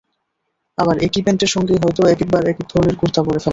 আবার একই প্যান্টের সঙ্গেই হয়তো একেকবার একেক ধরনের কুর্তা পরে ফেলেন।